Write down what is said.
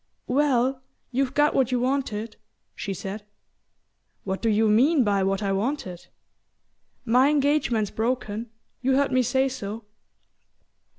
"Well, you've got what you wanted," she said. "What do you mean by what I wanted?" "My engagement's broken you heard me say so."